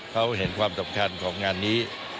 เขาเห็นความสำคัญของงานนี้